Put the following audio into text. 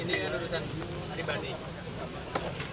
ini kan urusan pribadi